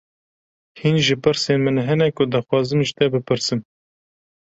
Hîn jî pirsên min hene ku dixwazim ji te bipirsim.